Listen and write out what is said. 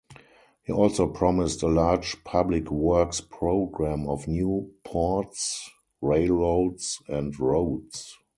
He also promised a large public works program of new ports, railroads, and roads.